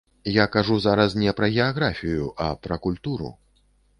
Я кажу зараз не пра геаграфію, а пра культуру.